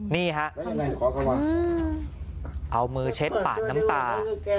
นี่ฮะเอามือเช็ดปาดน้ำตา